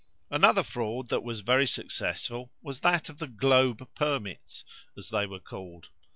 Another fraud that was very successful was that of the "Globe Permits," as they were called.